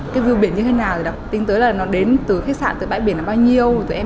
cái view biển như thế nào thì đọc tin tới là nó đến từ khách sạn từ bãi biển là bao nhiêu tụi em